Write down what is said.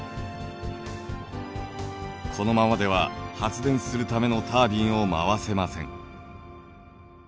このままでは発電するためのタービンを回せません。